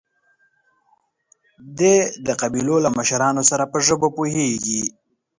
دی د قبيلو له مشرانو سره په ژبه پوهېږي.